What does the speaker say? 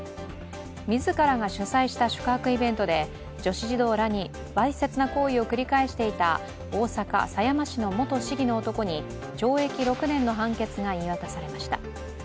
自らが主催した宿泊イベントで女子児童らにわいせつな行為を繰り返していた大阪狭山市の元市議の男に懲役６年の判決が言い渡されました。